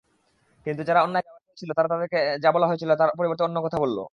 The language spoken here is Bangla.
কিন্তু যারা অন্যায় করেছিল তারা তাদেরকে যা বলা হয়েছিল তার পরিবর্তে অন্য কথা বলল।